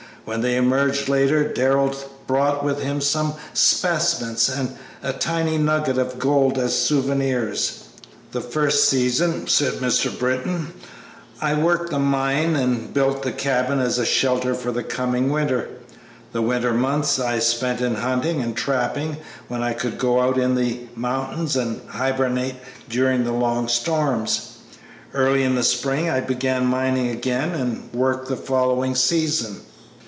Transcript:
When they emerged later Darrell brought with him some specimens and a tiny nugget of gold as souvenirs. "The first season," said Mr. Britton, "I worked the mine and built the cabin as a shelter for the coming winter. The winter months I spent in hunting and trapping when I could go out in the mountains, and hibernated during the long storms. Early in the spring I began mining again and worked the following season.